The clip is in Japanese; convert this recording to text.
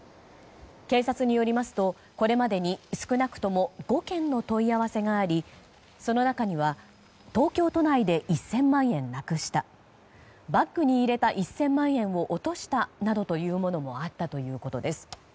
警察によりますとこれまでに少なくとも５件の問い合わせがありその中には東京都内で１０００万円なくしたバッグに入れた１０００万円を落としたなどというものもあったということです。